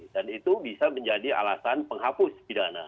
dan itu bisa menjadi alasan penghapus pidana